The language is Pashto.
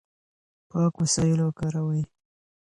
پاک وسایل وکاروئ.